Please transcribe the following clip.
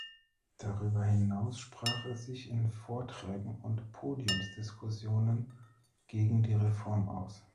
Darüber hinaus sprach er sich in Vorträgen und Podiumsdiskussionen gegen die Reform aus.